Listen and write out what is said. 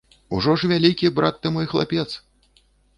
Ужо ж вялікі, брат ты мой, хлапец!